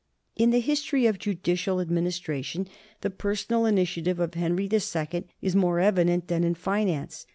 In the history of judicial administration the personal initiative of Henry II is more evident than in finance.